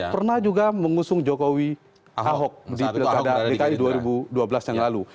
pernah juga mengusung jokowi ahok di pilkada dki dua ribu dua belas yang lalu